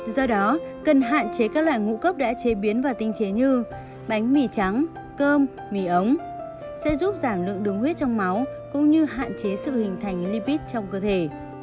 do đó cần hạn chế các loại ngũ cốc đã chế biến vào tinh chế như bánh mì trắng cơm mì ống sẽ giúp giảm lượng đường huyết trong máu cũng như hạn chế sự hình thành libit trong cơ thể